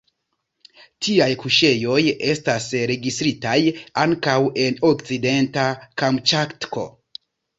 Tiaj kuŝejoj estas registritaj ankaŭ en Okcidenta Kamĉatko.